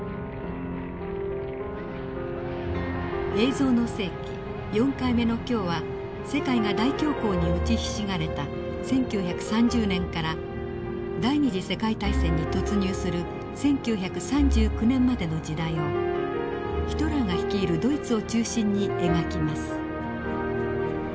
「映像の世紀」４回目の今日は世界が大恐慌に打ちひしがれた１９３０年から第二次世界大戦に突入する１９３９年までの時代をヒトラーが率いるドイツを中心に描きます。